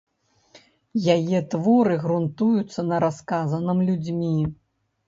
Яе творы грунтуюцца на расказаным людзьмі.